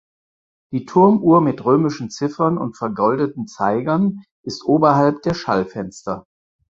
Die Turmuhr mit römischen Ziffern und vergoldeten Zeigern ist oberhalb der Schallfenster.